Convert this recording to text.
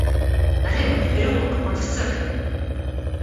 Налево, в переулок, против церкви!